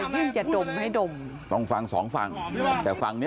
ยืดอย่าดมให้ดมต้องสองฝั่งฝั่งจะฝั่งจะฝั่งเนี้ย